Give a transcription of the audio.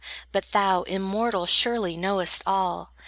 But thou, immortal, surely knowest all.